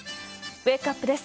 ウェークアップです。